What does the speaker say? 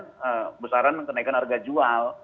dan besaran kenaikan harga jual